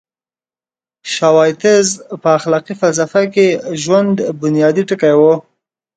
شوایتزر په اخلاقي فلسفه کې ژوند بنیادي ټکی و.